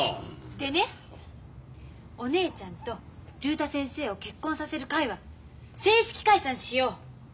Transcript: でねお姉ちゃんと竜太先生を結婚させる会は正式解散しよう。